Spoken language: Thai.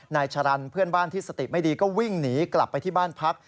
นายชะลันเพื่อนบ้านที่สติไม่ดีก็วิ่งหนีกลับไปที่บ้านพัก